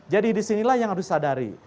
jadi disinilah yang harus disadari